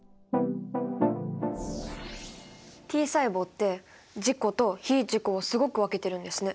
Ｔ細胞って自己と非自己をすごく分けてるんですね。